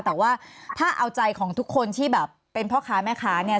แต่ว่าถ้าเอาใจของทุกคนที่แบบเป็นพ่อค้าแม่ค้าเนี่ย